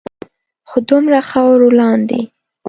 خو د دومره خاورو لاندے